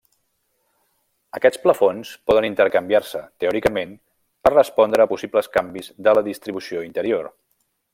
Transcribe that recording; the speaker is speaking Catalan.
Aquests plafons poden intercanviar-se, teòricament, per respondre a possibles canvis de la distribució interior.